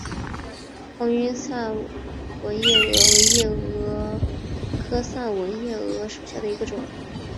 红晕散纹夜蛾为夜蛾科散纹夜蛾属下的一个种。